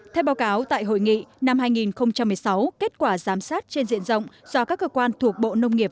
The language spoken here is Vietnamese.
theo báo cáo tại hội nghị năm hai nghìn một mươi sáu kết quả giám sát trên diện rộng do các cơ quan thuộc bộ nông nghiệp